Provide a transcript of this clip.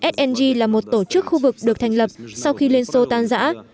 sng là một tổ chức khu vực được thành lập sau khi liên xô tan giã